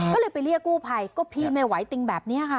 ก็เลยไปเรียกกู้ภัยก็พี่ไม่ไหวติงแบบนี้ค่ะ